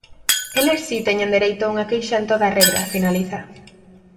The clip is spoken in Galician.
"Eles si teñen dereito a unha queixa en toda regra", finaliza.